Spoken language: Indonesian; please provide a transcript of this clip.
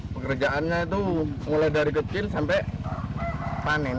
pekerjaannya itu mulai dari kecil sampai panen